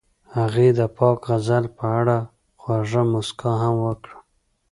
هغې د پاک غزل په اړه خوږه موسکا هم وکړه.